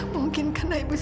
mungkin karena ibu sakit